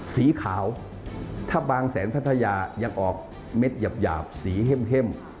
สีขาวถ้าบางแสนพัทยายังออกเม็ดหยาบสีเข้ม